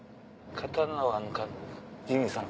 「『刀は抜かぬ』ジミーさん